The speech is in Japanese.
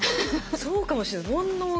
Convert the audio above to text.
そうかもしれない煩悩が。